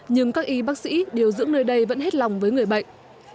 nhưng các y bác sĩ điều dưỡng nơi đây vẫn hết lòng với người bệnh